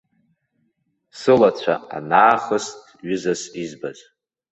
Сылацәа анаахыст ҩызас избаз.